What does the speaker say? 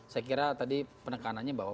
saya kira tadi penekanannya bahwa